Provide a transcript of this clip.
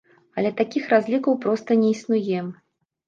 Але такіх разлікаў проста не існуе.